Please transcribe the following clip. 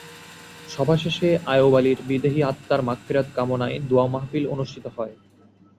সভা শেষে আইয়ুব আলীর বিদেহী আত্মার মাগফিরাত কামনায় দোয়া মাহফিল অনুষ্ঠিত হয়।